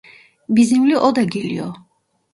Bizimle o da geliyor.